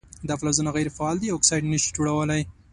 دا فلزونه غیر فعال دي او اکساید نه شي جوړولی.